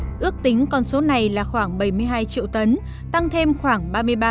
năm hai nghìn một mươi bảy ước tính con số này là khoảng bảy mươi hai triệu tấn tăng thêm khoảng ba mươi ba